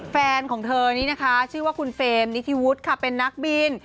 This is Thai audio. แฟนของเธอนี้นะคะชื่อว่าคุณเฟรมนิธิวุฒิค่ะเป็นนักบิน